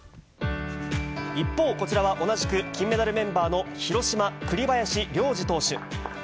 一方、こちらは同じく金メダルメンバーの広島、栗林良吏投手。